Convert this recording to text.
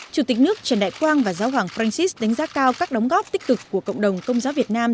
chủ tịch nước trần đại quang và giáo hoàng francis đánh giá cao các đóng góp tích cực của cộng đồng công giáo việt nam